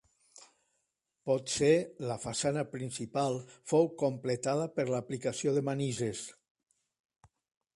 Potser la façana principal fou completada per l'aplicació de manises.